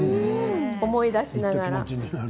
思い出しながら。